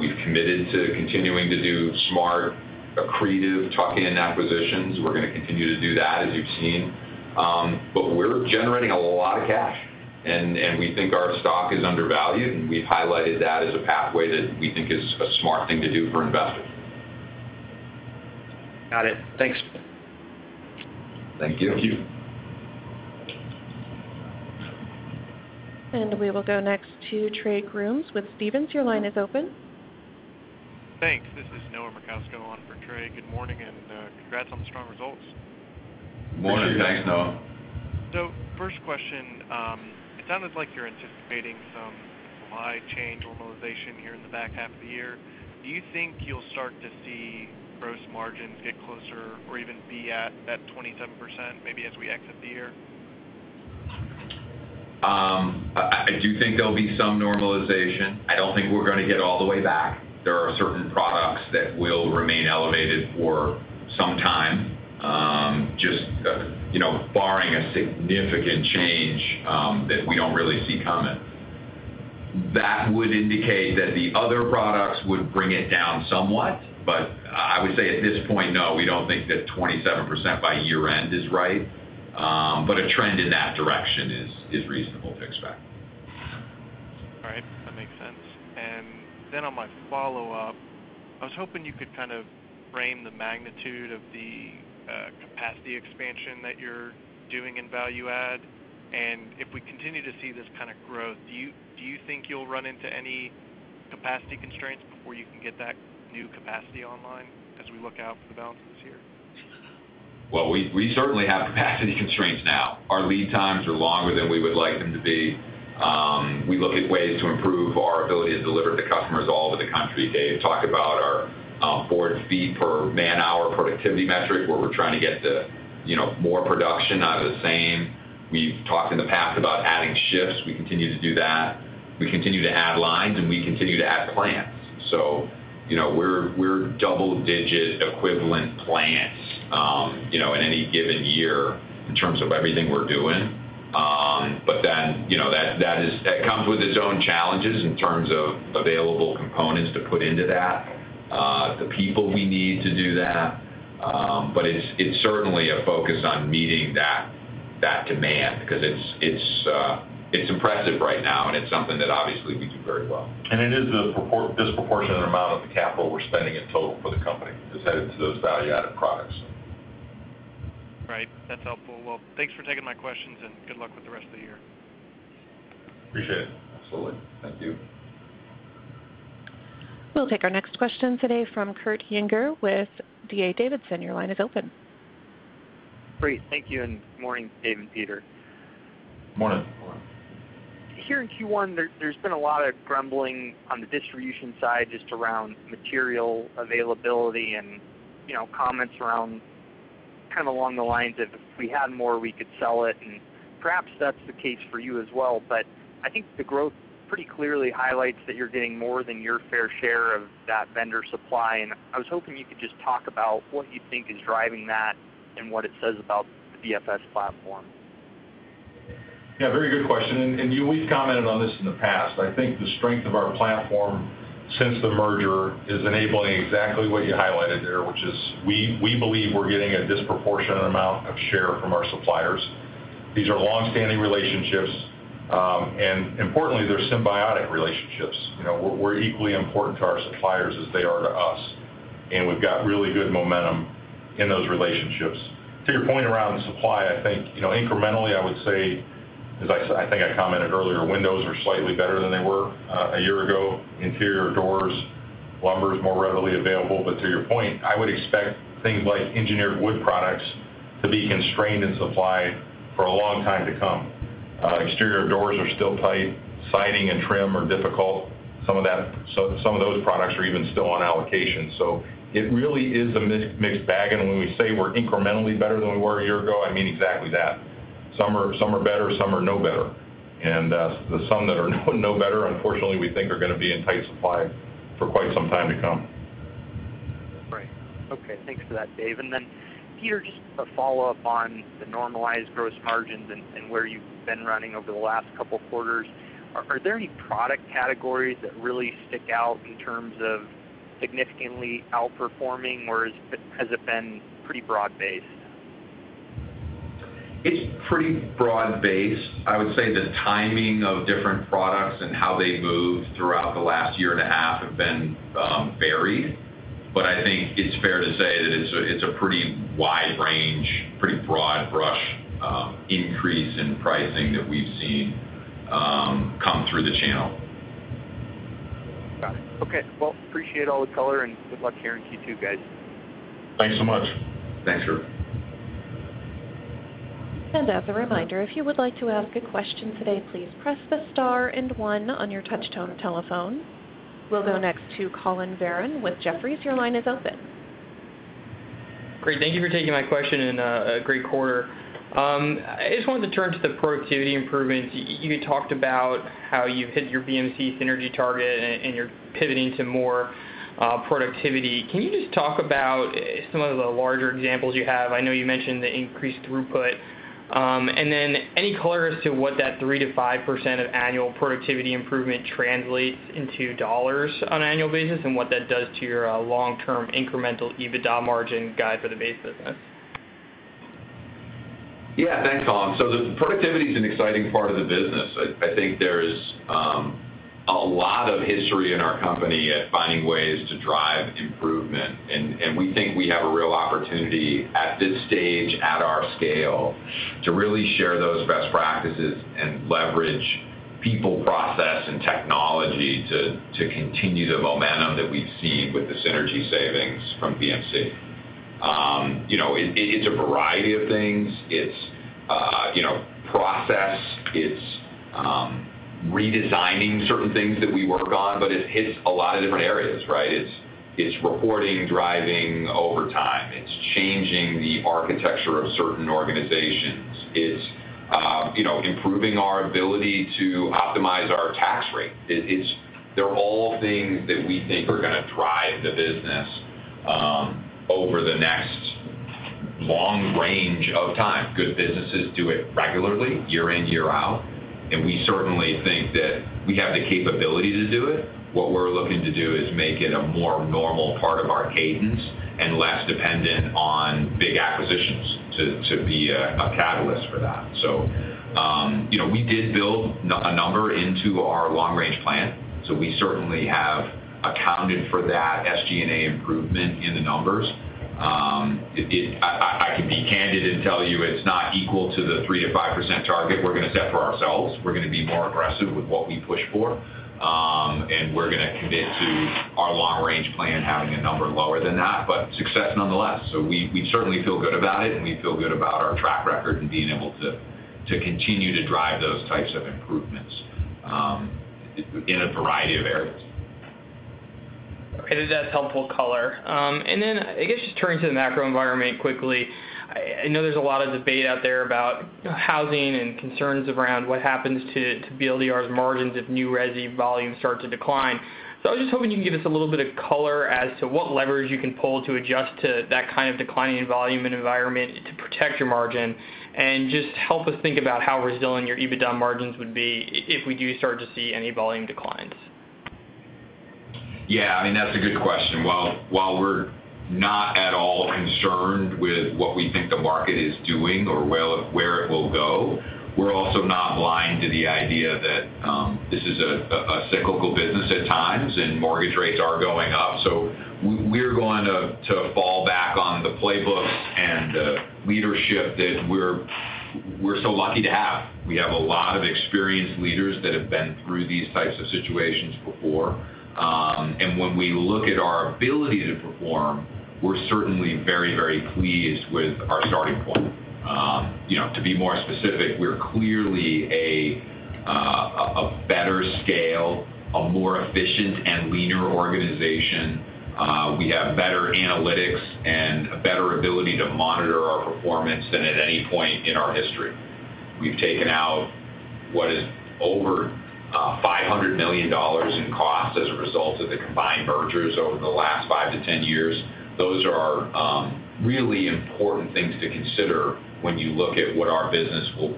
We've committed to continuing to do smart, accretive tuck-in acquisitions. We're gonna continue to do that as you've seen. But we're generating a lot of cash, and we think our stock is undervalued, and we've highlighted that as a pathway that we think is a smart thing to do for investors. Got it. Thanks. Thank you. Thank you. We will go next to Trey Grooms with Stephens. Your line is open. Thanks. This is Noah Merkousko on for Trey. Good morning, and congrats on the strong results. Morning. Thanks, Noah. First question, it sounded like you're anticipating some supply chain normalization here in the back half of the year. Do you think you'll start to see gross margins get closer or even be at that 27% maybe as we exit the year? I do think there'll be some normalization. I don't think we're gonna get all the way back. There are certain products that will remain elevated for some time, just, you know, barring a significant change, that we don't really see coming. That would indicate that the other products would bring it down somewhat. I would say at this point, no, we don't think that 27% by year-end is right. A trend in that direction is reasonable to expect. All right. That makes sense. Then on my follow-up, I was hoping you could kind of frame the magnitude of the capacity expansion that you're doing in value add. If we continue to see this kind of growth, do you, do you think you'll run into any capacity constraints before you can get that new capacity online as we look out for the balance of this year? Well, we certainly have capacity constraints now. Our lead times are longer than we would like them to be. We look at ways to improve our ability to deliver to customers all over the country. Dave talked about our board feet per man-hour productivity metric, where we're trying to get to, you know, more production out of the same. We've talked in the past about adding shifts. We continue to do that. We continue to add lines, and we continue to add plants. You know, we're double-digit equivalent plants, you know, in any given year in terms of everything we're doing. You know, that comes with its own challenges in terms of available components to put into that, the people we need to do that. It's certainly a focus on meeting that demand 'cause it's impressive right now, and it's something that obviously we do very well. It is a disproportionate amount of the capital we're spending in total for the company is headed to those value-added products. Right. That's helpful. Well, thanks for taking my questions, and good luck with the rest of the year. Appreciate it. Absolutely. Thank you. We'll take our next question today from Kurt Yinger with D.A. Davidson. Your line is open. Great. Thank you, and good morning, Dave and Peter. Morning. Morning. Here in Q1, there's been a lot of grumbling on the distribution side just around material availability and, you know, comments around kind of along the lines of if we had more, we could sell it, and perhaps that's the case for you as well. I think the growth pretty clearly highlights that you're getting more than your fair share of that vendor supply. I was hoping you could just talk about what you think is driving that and what it says about the BFS platform. Yeah, very good question. We've commented on this in the past. I think the strength of our platform since the merger is enabling exactly what you highlighted there, which is we believe we're getting a disproportionate amount of share from our suppliers. These are longstanding relationships, and importantly, they're symbiotic relationships. You know, we're equally important to our suppliers as they are to us. We've got really good momentum in those relationships. To your point around the supply, I think, you know, incrementally, I would say, as I think I commented earlier, windows are slightly better than they were a year ago. Interior doors, lumber is more readily available. To your point, I would expect things like engineered wood products to be constrained in supply for a long time to come. Exterior doors are still tight. Siding and trim are difficult. Some of those products are even still on allocation. It really is a mix, mixed bag. When we say we're incrementally better than we were a year ago, I mean exactly that. Some are better, some are no better. Some that are no better, unfortunately, we think are gonna be in tight supply for quite some time to come. Great. Okay. Thanks for that, Dave. Peter, just a follow-up on the normalized gross margins and where you've been running over the last couple quarters. Are there any product categories that really stick out in terms of significantly outperforming, or is it, has it been pretty broad-based? It's pretty broad-based. I would say the timing of different products and how they've moved throughout the last year and a half have been varied. I think it's fair to say that it's a pretty wide range, pretty broad brush increase in pricing that we've seen come through the channel. Got it. Okay. Well, appreciate all the color, and good luck here in Q2, guys. Thanks so much. Thanks, Kurt. As a reminder, if you would like to ask a question today, please press the star and one on your touchtone telephone. We'll go next to Collin Verron with Jefferies. Your line is open. Great. Thank you for taking my question, and a great quarter. I just wanted to turn to the productivity improvements. You talked about how you've hit your BMC synergy target, and you're pivoting to more productivity. Can you just talk about some of the larger examples you have? I know you mentioned the increased throughput. Any color as to what that 3%-5% of annual productivity improvement translates into dollars on an annual basis and what that does to your long-term incremental EBITDA margin guide for the base business? Yeah. Thanks, Collin. The productivity is an exciting part of the business. I think there's a lot of history in our company at finding ways to drive improvement, and we think we have a real opportunity at this stage, at our scale, to really share those best practices and leverage people, process, and technology to continue the momentum that we've seen with the synergy savings from BMC. You know, it's a variety of things. It's process. It's redesigning certain things that we work on, but it hits a lot of different areas, right? It's reporting, driving overtime. It's changing the architecture of certain organizations. It's improving our ability to optimize our tax rate. It's. They're all things that we think are gonna drive the business over the next long range of time. Good businesses do it regularly, year in, year out, and we certainly think that we have the capability to do it. What we're looking to do is make it a more normal part of our cadence and less dependent on big acquisitions to be a catalyst for that. You know, we did build a number into our long-range plan, so we certainly have accounted for that SG&A improvement in the numbers. I can be candid and tell you it's not equal to the 3%-5% target we're gonna set for ourselves. We're gonna be more aggressive with what we push for, and we're gonna commit to our long-range plan having a number lower than that, but success nonetheless. We certainly feel good about it, and we feel good about our track record and being able to continue to drive those types of improvements in a variety of areas. Okay. That's helpful color. I guess just turning to the macro environment quickly. I know there's a lot of debate out there about housing and concerns around what happens to BLDR's margins if new resi volumes start to decline. I was just hoping you can give us a little bit of color as to what levers you can pull to adjust to that kind of declining volume and environment to protect your margin. Just help us think about how resilient your EBITDA margins would be if we do start to see any volume declines. Yeah, I mean, that's a good question. While we're not at all concerned with what we think the market is doing or where it will go, we're also not blind to the idea that this is a cyclical business at times, and mortgage rates are going up. We're going to fall back on the playbook and the leadership that we're so lucky to have. We have a lot of experienced leaders that have been through these types of situations before. When we look at our ability to perform, we're certainly very pleased with our starting point. You know, to be more specific, we're clearly a better scale, a more efficient and leaner organization. We have better analytics and a better ability to monitor our performance than at any point in our history. We've taken out what is over $500 million in costs as a result of the combined mergers over the last five-10 years. Those are really important things to consider when you look at how our business will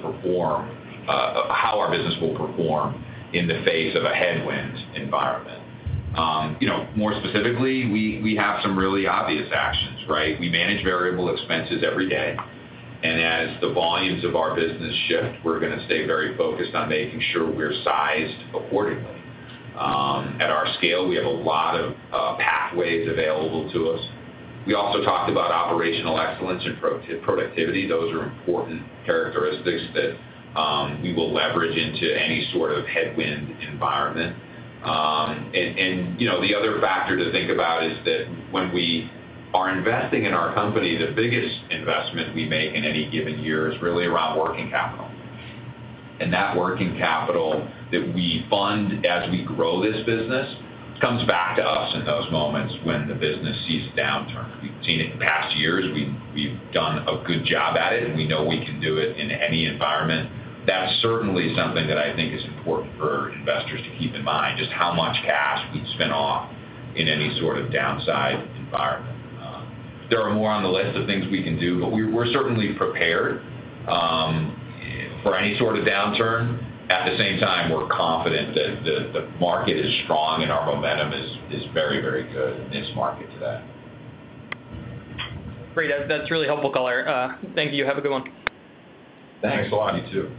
perform in the face of a headwind environment. You know, more specifically, we have some really obvious actions, right? We manage variable expenses every day. As the volumes of our business shift, we're gonna stay very focused on making sure we're sized accordingly. At our scale, we have a lot of pathways available to us. We also talked about operational excellence and pro-productivity. Those are important characteristics that we will leverage into any sort of headwind environment. You know, the other factor to think about is that when we are investing in our company, the biggest investment we make in any given year is really around working capital. That working capital that we fund as we grow this business comes back to us in those moments when the business sees downturn. We've seen it in past years. We've done a good job at it. We know we can do it in any environment. That's certainly something that I think is important for investors to keep in mind, just how much cash we'd spin off in any sort of downside environment. There are more on the list of things we can do, but we're certainly prepared for any sort of downturn. At the same time, we're confident that the market is strong and our momentum is very good in this market today. Great. That's really helpful color. Thank you. Have a good one. Thanks a lot. You too.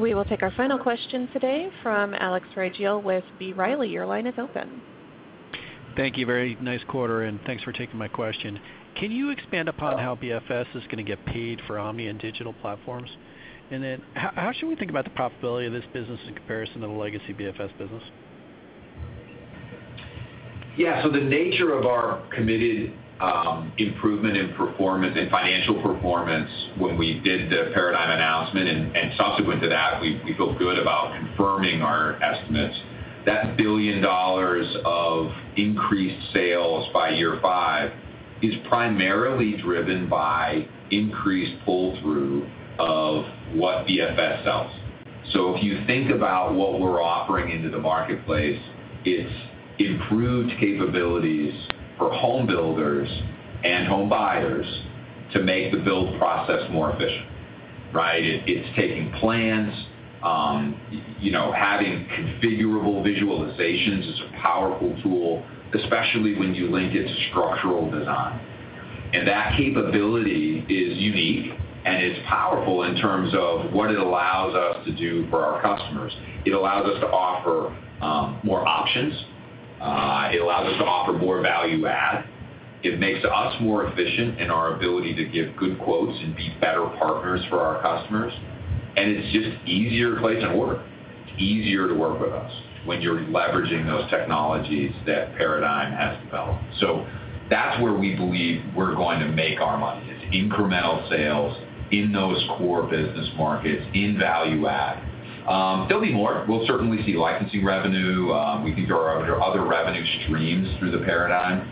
We will take our final question today from Alex Rygiel with B. Riley. Your line is open. Thank you. Very nice quarter, and thanks for taking my question. Can you expand upon how BFS is gonna get paid for Omni and digital platforms? And then how should we think about the profitability of this business in comparison to the legacy BFS business? Yeah. The nature of our committed improvement in performance and financial performance when we did the Paradigm announcement, and subsequent to that, we feel good about confirming our estimates. That $1 billion of increased sales by year five is primarily driven by increased pull-through of what BFS sells. If you think about what we're offering into the marketplace, it's improved capabilities for home builders and home buyers to make the build process more efficient, right? It's taking plans. You know, having configurable visualizations is a powerful tool, especially when you link it to structural design. That capability is unique, and it's powerful in terms of what it allows us to do for our customers. It allows us to offer more options. It allows us to offer more value add. It makes us more efficient in our ability to give good quotes and be better partners for our customers. It's just easier to place an order. It's easier to work with us when you're leveraging those technologies that Paradigm has developed. That's where we believe we're going to make our money. It's incremental sales in those core business markets in value add. There'll be more. We'll certainly see licensing revenue. We think there are other revenue streams through the Paradigm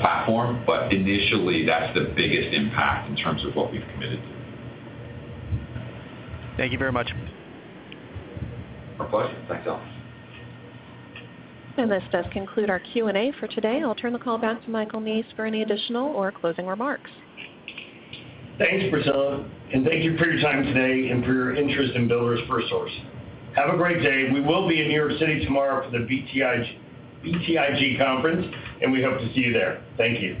platform, but initially, that's the biggest impact in terms of what we've committed to. Thank you very much. My pleasure. Thanks, Alex. This does conclude our Q&A for today. I'll turn the call back to Michael Neese for any additional or closing remarks. Thanks, Priscilla, and thank you for your time today and for your interest in Builders FirstSource. Have a great day. We will be in New York City tomorrow for the BTIG conference, and we hope to see you there. Thank you.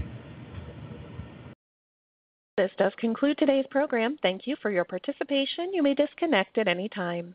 This does conclude today's program. Thank you for your participation. You may disconnect at any time.